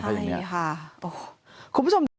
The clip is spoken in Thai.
ใช่ค่ะ